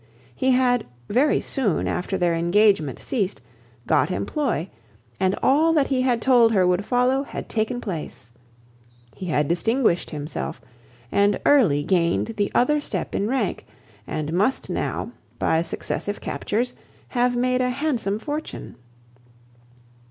He had, very soon after their engagement ceased, got employ: and all that he had told her would follow, had taken place. He had distinguished himself, and early gained the other step in rank, and must now, by successive captures, have made a handsome fortune.